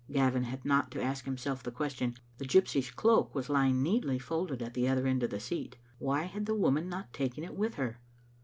Gavin had not to ask himself the question. The gypsy's cloak was lying neatly folded at the other end of the seat. Why had the woman not taken it with her?